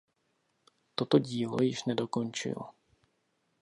Toto dílo již nedokončil.